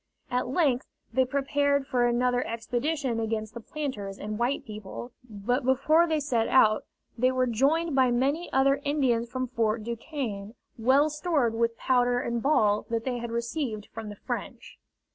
At length they prepared for another expedition against the planters and white people, but before they set out they were joined by many other Indians from Fort Duquesne, well stored with powder and ball that they had received from the French.